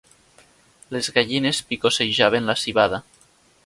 Les gallines picossejaven la civada.